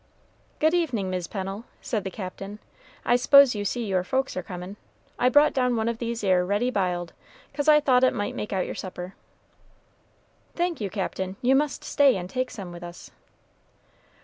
"Good evening, Mis' Pennel," said the Captain. "I s'pose you see your folks are comin'. I brought down one of these 'ere ready b'iled, 'cause I thought it might make out your supper." "Thank you, Captain; you must stay and take some with us."